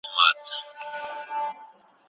تاسي په پښتو کي د طنز او مزاح په مانا پوهېږئ؟